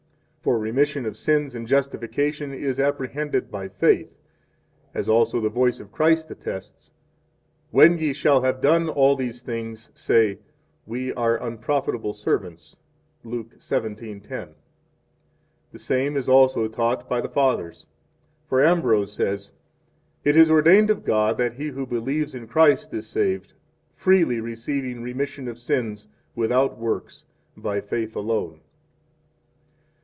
For remission of sins and justification is apprehended by faith, as also the voice of Christ attests: When ye shall have done all these things, say: We are unprofitable servants. Luke 17:10. The same is also taught by 3 the Fathers. For Ambrose says: It is ordained of God that he who believes in Christ is saved, freely receiving remission of sins, without works, by faith alone.